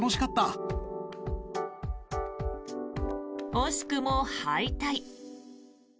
惜しくも敗退。